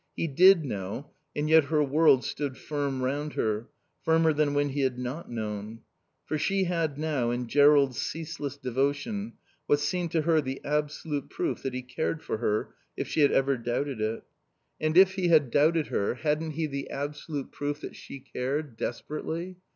He did know, and yet her world stood firm round her, firmer than when he had not known. For she had now in Jerrold's ceaseless devotion what seemed to her the absolute proof that he cared for her, if she had ever doubted it. And if he had doubted her, hadn't he the absolute proof that she cared, desperately?